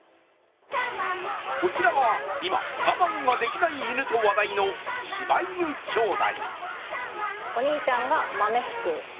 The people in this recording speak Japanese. こちらは、今、我慢ができない犬と話題のしば犬兄妹。